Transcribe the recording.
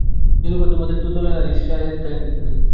নীলুফার-তোমাদের তেতলায় আনিস সাহেব থাকেন নাকি?